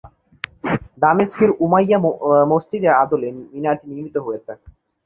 দামেস্কের উমাইয়া মসজিদের আদলে মিনারটি নির্মিত হয়েছে।